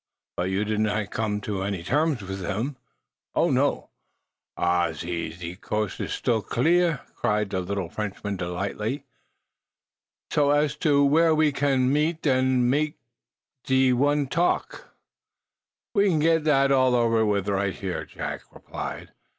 "But you did not come to any terms wiz him?" "Oh, no!" "Ah, zen, ze coast is steel clear," cried the little Frenchman, delightedly. "So, as to w'ere we can meet and mek ze one talk " "We can get that all over with, right here," Jack replied.